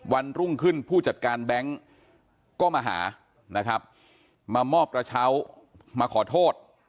วันรุ่งขึ้นผู้จัดการแบงค์ก็มาหานะครับมามอบกระเช้ามาขอโทษ